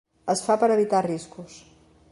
Es fa per a evitar riscos.